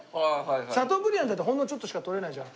シャトーブリアンだってほんのちょっとしか取れないじゃん。